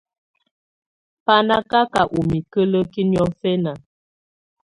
Bà na kaka ù mikǝ́lǝ́ki niɔ̀fɛna.